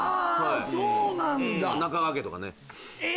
そうなんだ中川家とかねえ